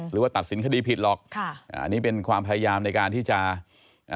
หรือว่าตัดสินคดีผิดหรอกค่ะอ่าอันนี้เป็นความพยายามในการที่จะอ่า